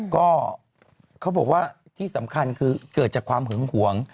ก็เขาบอกว่าที่สำคัญคือเกิดจากความหึงหวง